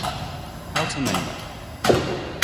How to Name It?